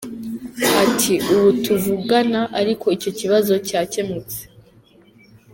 Ati “Ubu tuvugana ariko icyo kibazo cyakemutse.